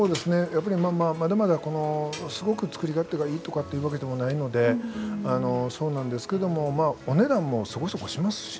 やっぱりまだまだすごく作り勝手がいいとかっていうわけでもないのでそうなんですけどもお値段もそこそこしますしね。